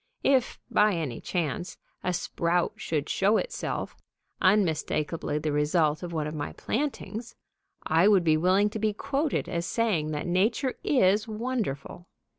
If, by any chance, a sprout should show itself, unmistakably the result of one of my plantings, I would be willing to be quoted as saying that Nature is wonderful.